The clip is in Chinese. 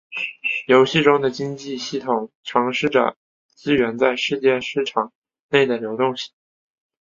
游戏中的经济系统尝试着资源在世界市场内的流动性。